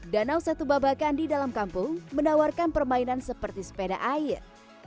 danau satu babakan di dalam kampung menawarkan permainan seperti sepeda air